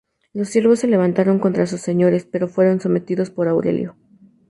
Los siervos se levantaron contra sus señores, pero fueron sometidos por Aurelio.